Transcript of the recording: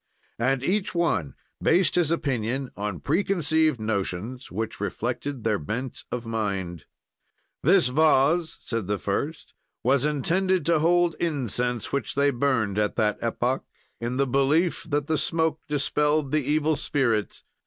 "And each one based his opinion on preconceived notions which reflected their bent of mind: "'This vase,' said the first, 'was intended to hold incense, which they burned a that epoch, in the belief that the smoke dispelled the evil spirits.'